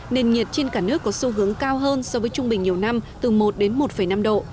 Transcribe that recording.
nền nhiệt trên cả nước có xu hướng cao hơn so với trung bình nhiều năm từ một đến một năm độ